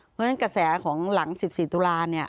เพราะฉะนั้นกระแสของหลัง๑๔ตุลา